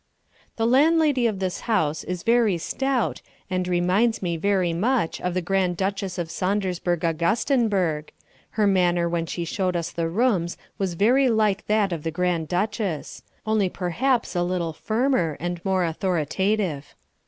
The landlady of this house is very stout and reminds me very much of the Grand Duchess of Sondersburg Augustenburg: her manner when she showed us the rooms was very like that of the Grand Duchess; only perhaps a little firmer and more authoritative.